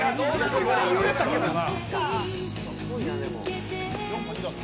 一番揺れたけどな。